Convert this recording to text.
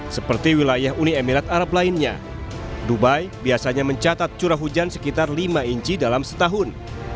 seperti wilayah uni emirat arab lainnya dubai biasanya mencatat curah hujan sekitar lima inci dalam setahun